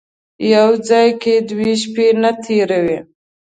یو ځای کې دوې شپې نه تېروي.